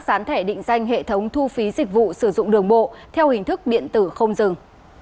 sán thẻ định danh hệ thống thu phí dịch vụ sử dụng đường bộ theo hình thức điện tử không dừng